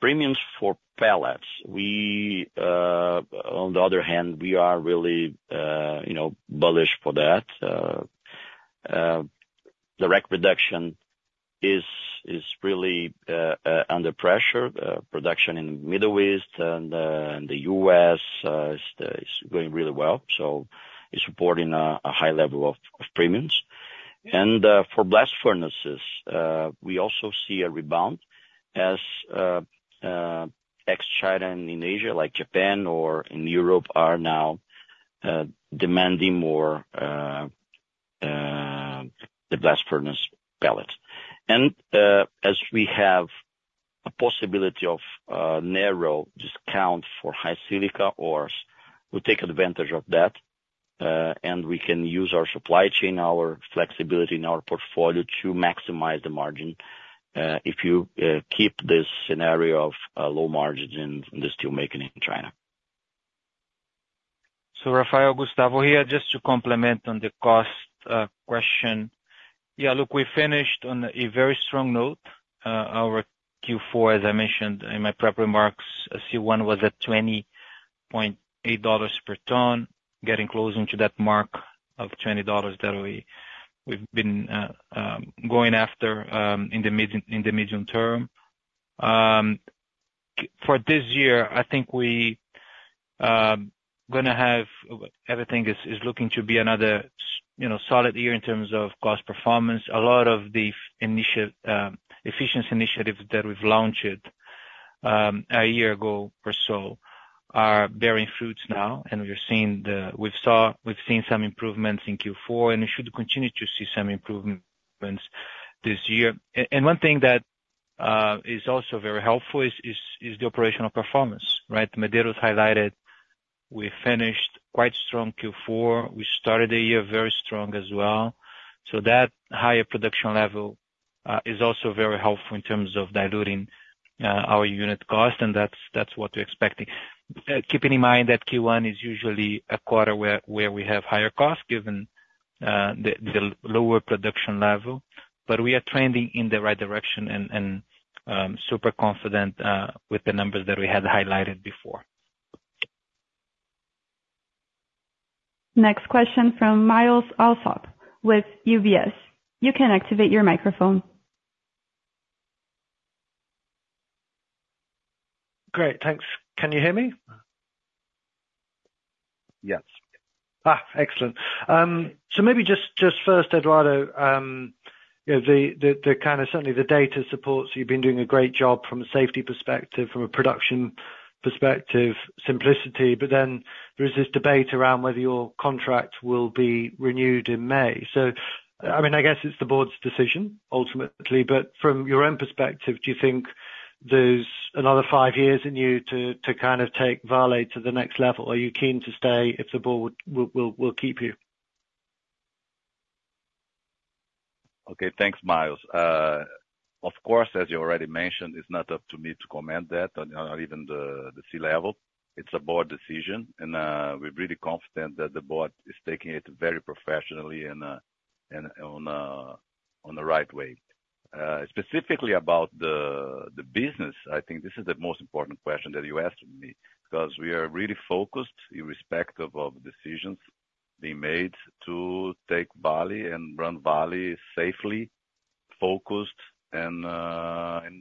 Premiums for pellets, on the other hand, we are really bullish for that. The rate reduction is really under pressure. Production in the Middle East and the U.S. is going really well. So it's supporting a high level of premiums. And for blast furnaces, we also see a rebound as ex-China and Indonesia, like Japan or in Europe, are now demanding more the blast furnace pellets. And as we have a possibility of narrow discount for high-silica ores, we'll take advantage of that. And we can use our supply chain, our flexibility in our portfolio to maximize the margin if you keep this scenario of low margins in the steelmaking in China. So, Rafael, Gustavo here, just to complement on the cost question. Yeah, look, we finished on a very strong note. Our Q4, as I mentioned in my prep remarks, C1 was at $20.8 per ton, getting closer into that mark of $20 that we've been going after in the medium term. For this year, I think we're going to have everything is looking to be another solid year in terms of cost performance. A lot of the efficiency initiatives that we've launched a year ago or so are bearing fruits now. And we've seen some improvements in Q4. And we should continue to see some improvements this year. And one thing that is also very helpful is the operational performance, right? Medeiros highlighted we finished quite strong Q4. We started the year very strong as well. That higher production level is also very helpful in terms of diluting our unit cost. That's what we're expecting. Keeping in mind that Q1 is usually a quarter where we have higher costs given the lower production level. We are trending in the right direction and super confident with the numbers that we had highlighted before. Next question from Myles Allsop with UBS. You can activate your microphone. Great. Thanks. Can you hear me? Yes. Excellent. So maybe just first, Eduardo, kind of certainly the data supports. You've been doing a great job from a safety perspective, from a production perspective, simplicity. But then there is this debate around whether your contract will be renewed in May. So, I mean, I guess it's the board's decision ultimately. But from your own perspective, do you think there's another five years in you to kind of take Vale to the next level? Are you keen to stay if the board will keep you? Okay. Thanks, Miles. Of course, as you already mentioned, it's not up to me to comment that on even the C level. It's a board decision. We're really confident that the board is taking it very professionally and on the right way. Specifically about the business, I think this is the most important question that you asked me because we are really focused irrespective of decisions being made to take Vale and run Vale safely, focused,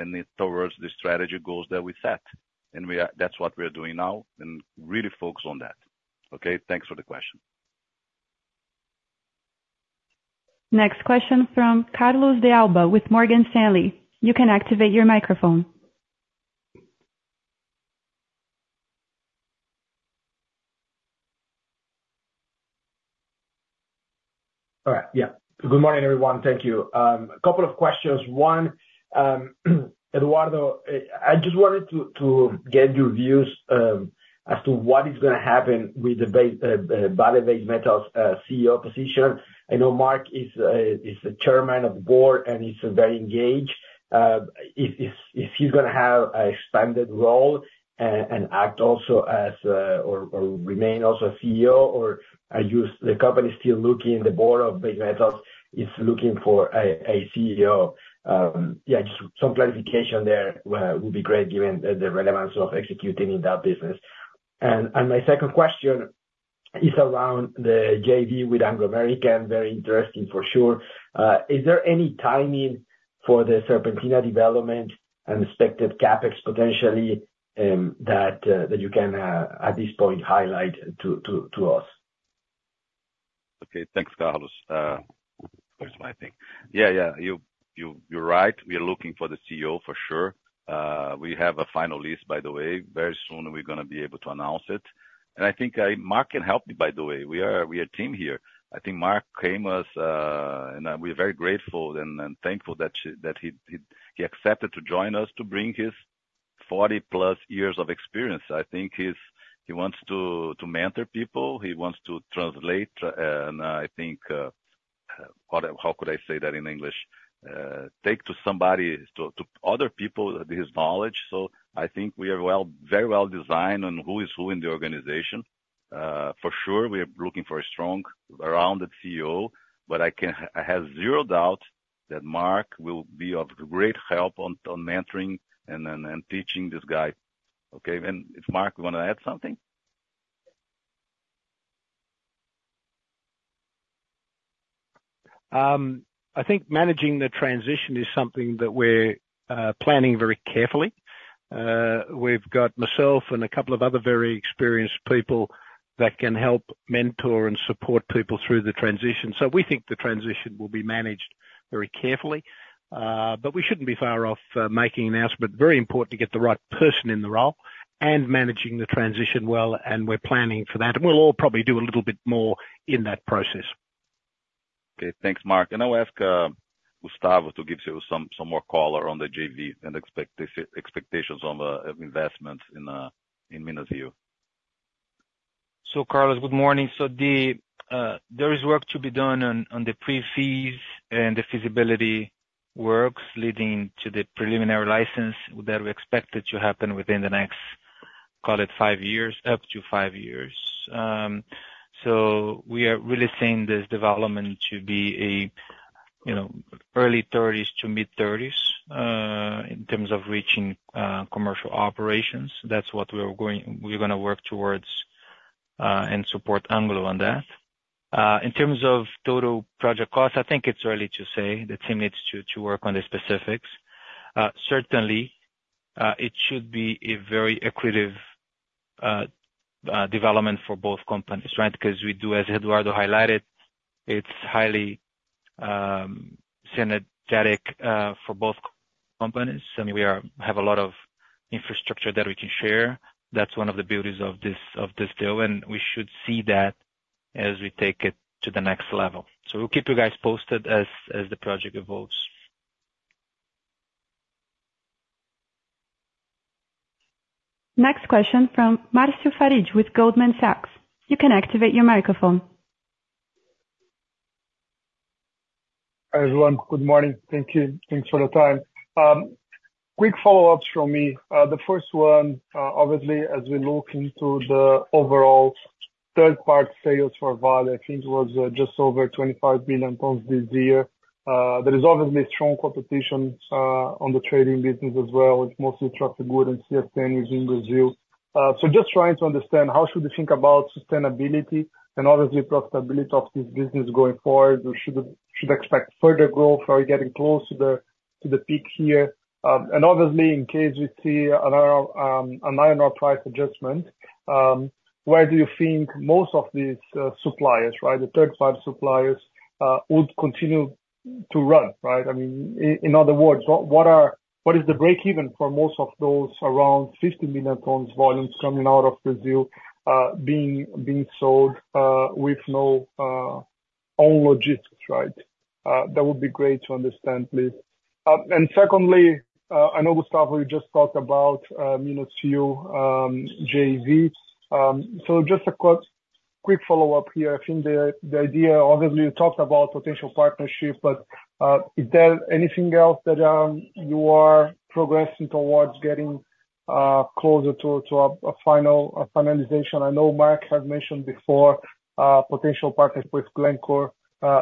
and towards the strategy goals that we set. That's what we're doing now and really focused on that, okay? Thanks for the question. Next question from Carlos De Alba with Morgan Stanley. You can activate your microphone. All right. Yeah. Good morning, everyone. Thank you. A couple of questions. One, Eduardo, I just wanted to get your views as to what is going to happen with the Vale Base Metals CEO position. I know Mark is the Chairman of the board, and he's very engaged. Is he going to have an expanded role and act also as or remain also a CEO? Or are you the company still looking the board of Vale Base Metals is looking for a CEO? Yeah, just some clarification there would be great given the relevance of executing in that business. And my second question is around the JV with Anglo American. Very interesting for sure. Is there any timing for the Serpentina development and expected CapEx potentially that you can at this point highlight to us? Okay. Thanks, Carlos. That was my thing. Yeah, yeah. You're right. We are looking for the CEO for sure. We have a final list, by the way. Very soon, we're going to be able to announce it. And I think Mark can help me, by the way. We are a team here. I think Mark came to us, and we're very grateful and thankful that he accepted to join us to bring his 40+ years of experience. I think he wants to mentor people. He wants to transmit. And I think how could I say that in English? Take to somebody, to other people, his knowledge. So I think we are very well defined on who is who in the organization. For sure, we are looking for a strong, well-rounded CEO. But I have zero doubt that Mark will be of great help on mentoring and teaching this guy, okay? If Mark, you want to add something? I think managing the transition is something that we're planning very carefully. We've got myself and a couple of other very experienced people that can help mentor and support people through the transition. So we think the transition will be managed very carefully. But we shouldn't be far off making an announcement. Very important to get the right person in the role and managing the transition well. And we're planning for that. And we'll all probably do a little bit more in that process. Okay. Thanks, Mark. I'll ask Gustavo to give you some more color on the JV and expectations on investments in Minas-Rio. So, Carlos, good morning. There is work to be done on the pre-feas and the feasibility works leading to the preliminary license that we expect it to happen within the next, call it, five years, up to five years. We are really seeing this development to be early 30s to mid-30s in terms of reaching commercial operations. That's what we're going to work towards and support Anglo on that. In terms of total project cost, I think it's early to say. The team needs to work on the specifics. Certainly, it should be a very equitable development for both companies, right? Because we do, as Eduardo highlighted, it's highly synergistic for both companies. I mean, we have a lot of infrastructure that we can share. That's one of the beauties of this deal. And we should see that as we take it to the next level. We'll keep you guys posted as the project evolves. Next question from Marcio Farid with Goldman Sachs. You can activate your microphone. Hi everyone. Good morning. Thank you. Thanks for the time. Quick follow-ups from me. The first one, obviously, as we look into the overall third-party sales for Vale, I think it was just over 25 billion tons this year. There is obviously strong competition on the trading business as well. It's mostly Trafigura and CSN within Brazil. So just trying to understand, how should we think about sustainability and obviously profitability of this business going forward? Should we expect further growth? Are we getting close to the peak here? And obviously, in case we see an iron ore price adjustment, where do you think most of these suppliers, right, the third-party suppliers, would continue to run, right? I mean, in other words, what is the breakeven for most of those around 50 million tons volumes coming out of Brazil being sold with no own logistics, right? That would be great to understand, please. And secondly, I know Gustavo, you just talked about Minas-Rio JV. So just a quick follow-up here. I think the idea, obviously, you talked about potential partnership, but is there anything else that you are progressing towards getting closer to a finalization? I know Mark has mentioned before potential partnership with Glencore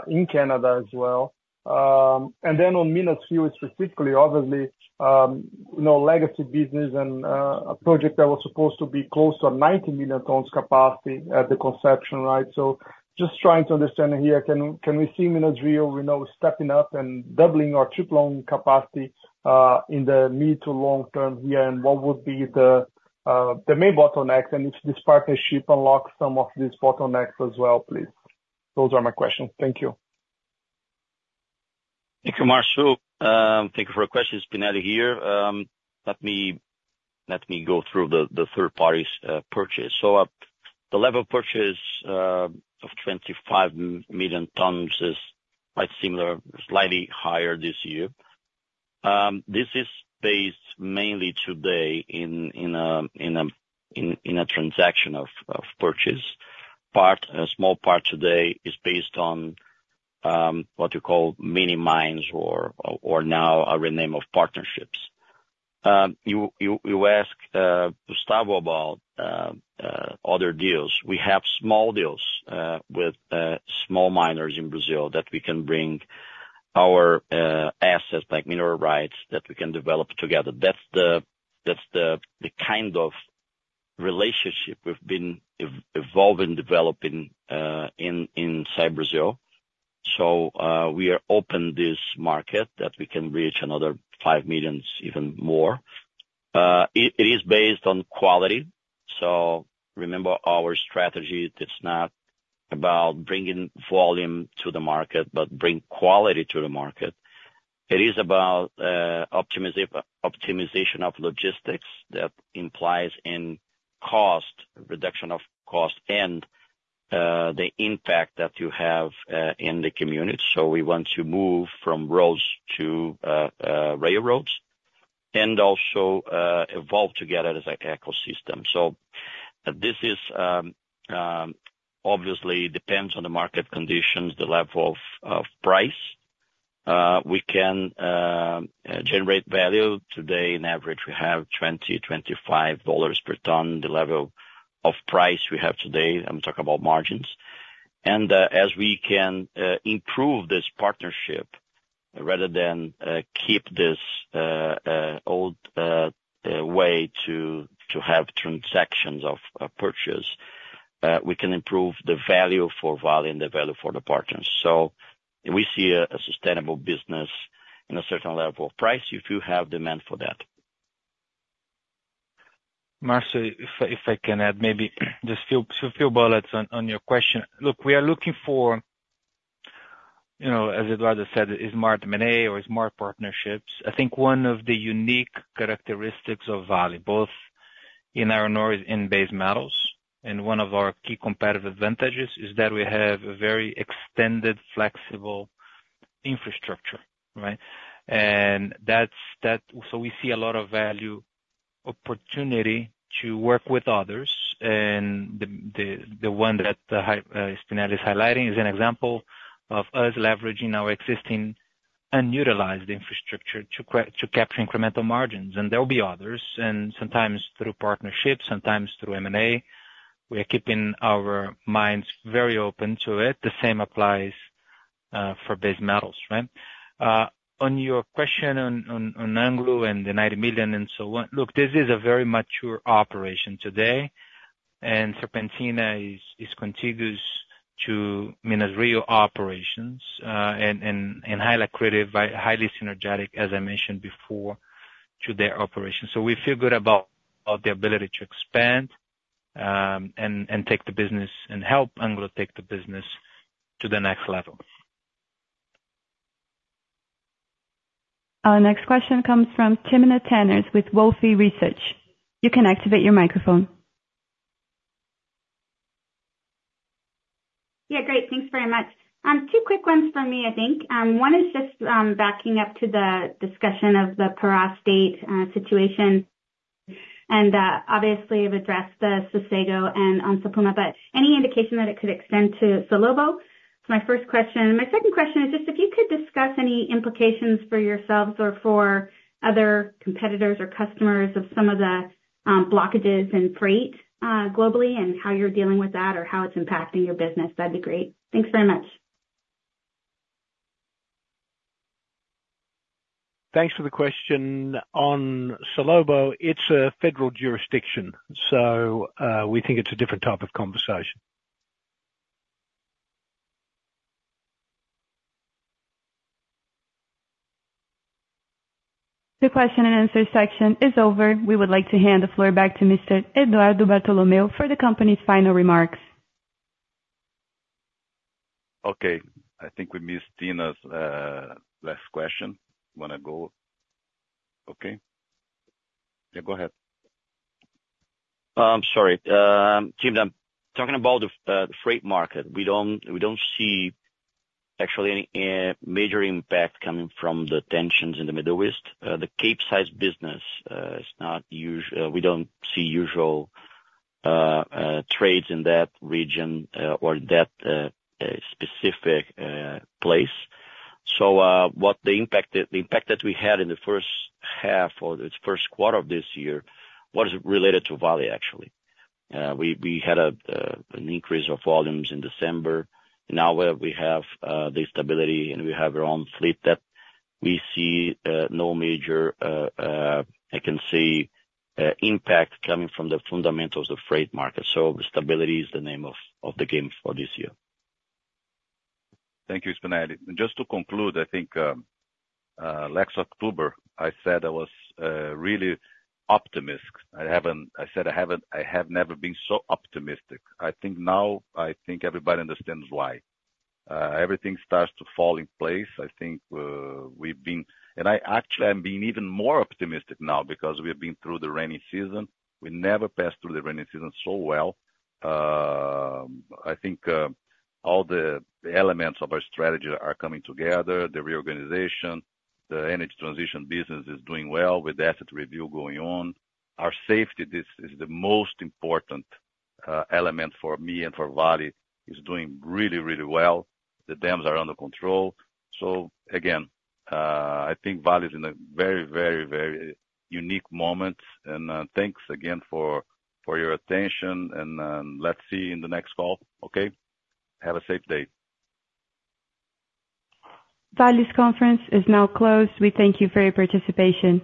in Canada as well. And then on Minas-Rio specifically, obviously, legacy business and a project that was supposed to be close to a 90 million tons capacity at the conception, right? So just trying to understand here, can we see Minas-Rio stepping up and doubling or tripling capacity in the mid- to long-term here? And what would be the main bottleneck? And if this partnership unlocks some of these bottlenecks as well, please. Those are my questions. Thank you. Thank you, Marcio. Thank you for your questions. Spinelli here. Let me go through the third-party's purchase. So the level of purchase of 25 million tons is quite similar, slightly higher this year. This is based mainly today in a transaction of purchase. A small part today is based on what you call mini mines or now a rename of partnerships. You asked Gustavo about other deals. We have small deals with small miners in Brazil that we can bring our assets like mineral rights that we can develop together. That's the kind of relationship we've been evolving, developing in Brazil. So we are open to this market that we can reach another 5 million, even more. It is based on quality. So remember our strategy, it's not about bringing volume to the market, but bring quality to the market.It is about optimization of logistics that implies in cost, reduction of cost, and the impact that you have in the community. We want to move from roads to railroads and also evolve together as an ecosystem. This obviously depends on the market conditions, the level of price. We can generate value. Today, on average, we have $20-$25 per ton, the level of price we have today. I'm talking about margins. As we can improve this partnership rather than keep this old way to have transactions of purchase, we can improve the value for Vale and the value for the partners. We see a sustainable business in a certain level of price if you have demand for that. Marcio, if I can add maybe just a few bullets on your question. Look, we are looking for, as Eduardo said, is smart M&A or smart partnerships. I think one of the unique characteristics of Vale, both in iron ore and in base metals, and one of our key competitive advantages is that we have a very extended, flexible infrastructure, right? And so we see a lot of value opportunity to work with others. And the one that Spinelli is highlighting is an example of us leveraging our existing unutilized infrastructure to capture incremental margins. And there will be others. And sometimes through partnerships, sometimes through M&A, we are keeping our minds very open to it. The same applies for base metals, right? On your question on Anglo and the 90 million and so on, look, this is a very mature operation today. Serpentina is contiguous to Minas-Rio operations and highly synergetic, as I mentioned before, to their operations. So we feel good about the ability to expand and take the business and help Anglo take the business to the next level. Our next question comes from Timna Tanners with Wolfe Research. You can activate your microphone. Yeah. Great. Thanks very much. Two quick ones from me, I think. One is just backing up to the discussion of the Pará's dam situation. And obviously, I've addressed the Sossego and Onça Puma, but any indication that it could extend to Salobo? That's my first question. My second question is just if you could discuss any implications for yourselves or for other competitors or customers of some of the blockages in freight globally and how you're dealing with that or how it's impacting your business, that'd be great. Thanks very much. Thanks for the question. On Salobo, it's a federal jurisdiction. So we think it's a different type of conversation. The question and answer section is over. We would like to hand the floor back to Mr. Eduardo Bartolomeo for the company's final remarks. Okay. I think we missed Timna's last question. You want to go? Okay. Yeah. Go ahead. I'm sorry. Tim, I'm talking about the freight market. We don't see actually any major impact coming from the tensions in the Middle East. The Capesize business, we don't see usual trades in that region or that specific place. So what the impact that we had in the first half or the first quarter of this year, what is related to Vale, actually? We had an increase of volumes in December. Now we have the stability, and we have our own fleet that we see no major, I can say, impact coming from the fundamentals of the freight market. So stability is the name of the game for this year. Thank you, Spinelli. And just to conclude, I think last October, I said I was really optimistic.I said I have never been so optimistic. I think now I think everybody understands why. Everything starts to fall in place. I think we've been and actually, I'm being even more optimistic now because we have been through the rainy season. We never passed through the rainy season so well. I think all the elements of our strategy are coming together. The reorganization, the energy transition business is doing well with asset review going on. Our safety, this is the most important element for me and for Vale, is doing really, really well. The dams are under control. So again, I think Vale is in a very, very, very unique moment. And thanks again for your attention. And let's see in the next call, okay? Have a safe day. Vale's conference is now closed. We thank you for your participation.